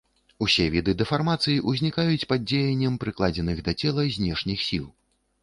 Усе віды дэфармацый узнікаюць пад дзеяннем прыкладзеных да цела знешніх сіл.